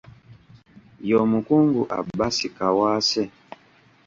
Y'omukungu Abbas Kawaase.